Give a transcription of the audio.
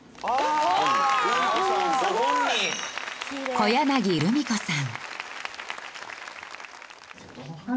小柳ルミ子さん。